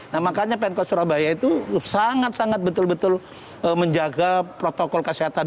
nah makanya pemkot surabaya itu sangat sangat betul betul menjaga protokol kesehatan